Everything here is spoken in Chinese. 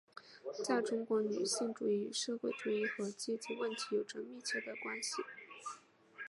在中国女性主义与社会主义和阶级问题有着密切的关系。